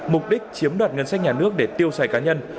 mục đích chiếm đoạt ngân sách nhà nước để tiêu xài cá nhân